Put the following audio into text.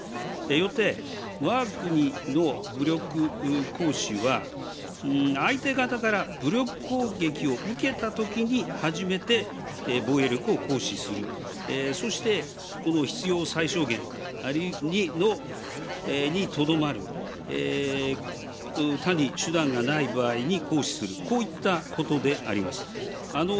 よって、わが国の武力行使は、相手方から武力攻撃を受けたときに初めて防衛力を行使する、そして必要最小限にとどまる、他に手段がない場合に行使する、こういったことであります。